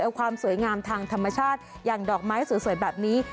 เอาความสวยงามทางธรรมชาติอย่างดอกไม้สวยแบบนี้